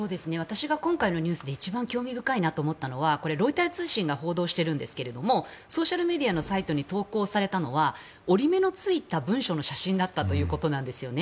今回のニュースで一番興味深いなと思ったのはロイター通信が報道しているんですがソーシャルメディアのサイトに報道されたのは折り目がついた文書だったということなんですね。